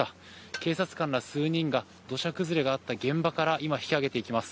警察官ら数人が土砂崩れがあった現場から今、引き揚げていきます。